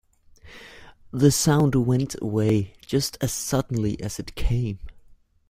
The sound went away just as suddenly as it came.